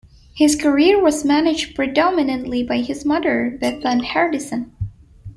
His career was managed predominantly by his mother, Bethann Hardison.